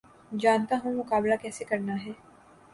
جانتا ہوں مقابلہ کیسے کرنا ہے